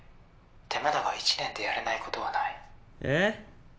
手間だが１年でやれない事はない」えっ？